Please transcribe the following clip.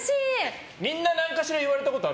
みんな何かしら言われたことあるから。